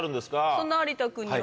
そんな有田君には。